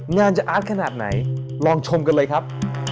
งานจะอาร์ตขนาดไหนลองชมกันเลยครับ